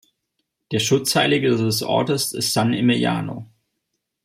Der Schutzheilige des Ortes ist "San Emiliano".